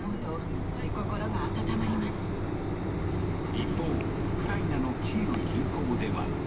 一方ウクライナのキーウ近郊では。